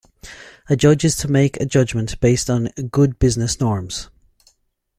A judge is to make a judgement based on "good business norms".